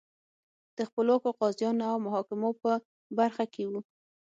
د خپلواکو قاضیانو او محاکمو په برخه کې وو